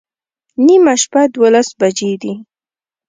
نیمه شپه دوولس بجې دي